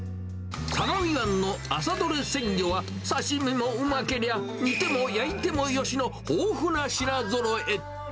相模湾の朝どれ鮮魚は、刺身もうまけりゃ、煮ても焼いてもよしの豊富な品ぞろえ。